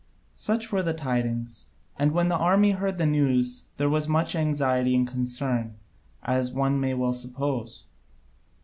Such were the tidings, and when the army heard the news there was much anxiety and concern, as one may well suppose.